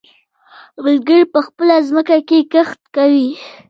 بزگر په خپله ځمکه کې کښت کوي.